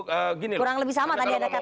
kurang lebih sama tadi anda katakan